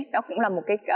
đó cũng là một cái